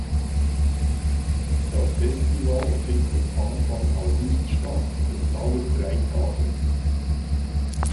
Das Festival findet Anfang August statt und dauert drei Tage.